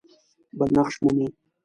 بل نقش مومي.